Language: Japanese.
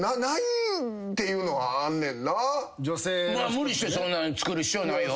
無理してそんな作る必要ないよ。